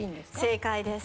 正解です。